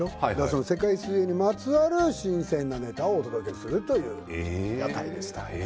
その世界水泳にまつわる新鮮なネタをお届けするという屋台ですたい。